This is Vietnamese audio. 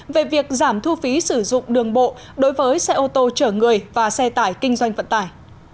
về việc giảm thu phí sử dụng đường bộ đối với xe ô tô chở người và xe tải kinh doanh vận tải